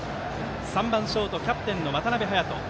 ３番ショートキャプテンの渡邊颯人。